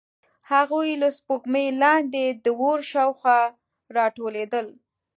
هغوی له سپوږمۍ لاندې د اور شاوخوا راټولېدل.